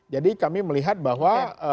jadi kami melihat bahwa